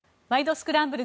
スクランブル」